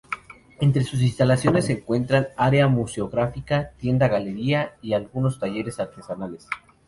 Entre sus instalaciones se encuentran área museográfica, tienda galería y algunos talleres artesanales.